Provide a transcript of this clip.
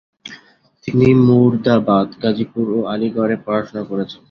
তিনি মুরাদাবাদ, গাজীপুর ও আলিগড়ে পড়াশোনা করেছেন।